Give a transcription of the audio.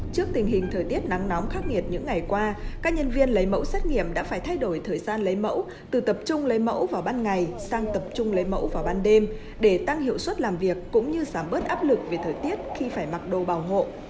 trước tình hình thời tiết nắng nóng khắc nghiệt những ngày qua các nhân viên lấy mẫu xét nghiệm đã phải thay đổi thời gian lấy mẫu từ tập trung lấy mẫu vào ban ngày sang tập trung lấy mẫu vào ban đêm để tăng hiệu suất làm việc cũng như giảm bớt áp lực về thời tiết khi phải mặc đồ bảo hộ